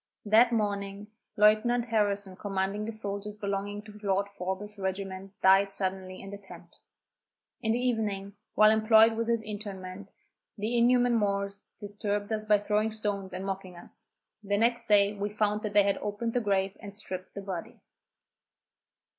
That morning, Lieutenant Harrison commanding the soldiers belonging to Lord Forbes's regiment died suddenly in the tent. In the evening, while employed with his interment, the inhuman Moors disturbed us by throwing stones and mocking us. The next day we found that they had opened the grave and stripped the body.